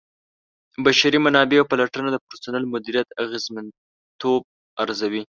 د بشري منابعو پلټنه د پرسونل مدیریت اغیزمنتوب ارزوي.